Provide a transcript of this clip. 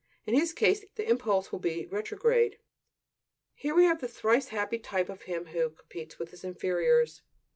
In his case, the impulse will be retrograde. Here we have the thrice happy type of him who competes with his inferiors!